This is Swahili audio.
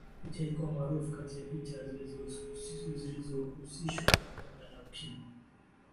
picha ilikuwa maarufu kati ya picha zilizohusishwa na janga la ukimwi